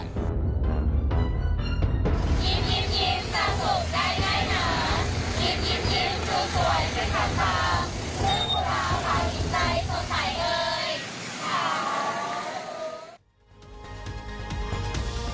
ยิ้มยิ้มยิ้มสาธุได้ไงหน่า